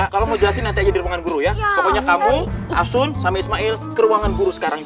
kulit mque como asoon samil keruangan guru sekarang